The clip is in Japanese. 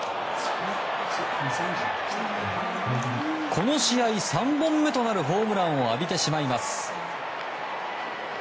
この試合、３本目となるホームランを浴びてしまいます。